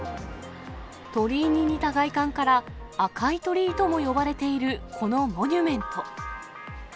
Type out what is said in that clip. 鳥居に似た外観から、赤い鳥居とも呼ばれているこのモニュメント。